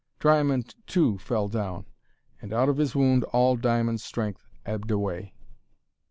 Triamond, too, fell down, and out of his wound all Diamond's strength ebbed away.